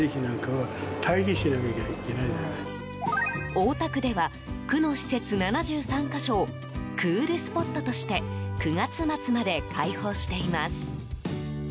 大田区では区の施設７３か所をクールスポットとして９月末まで開放しています。